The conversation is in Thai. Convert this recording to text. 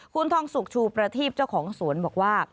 คุณทองสุกชูประทีบเจ้าของสวนบอกว่า